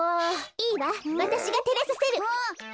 いいわわたしがてれさせる。